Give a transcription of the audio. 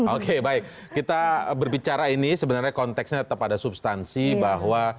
oke baik kita berbicara ini sebenarnya konteksnya tetap ada substansi bahwa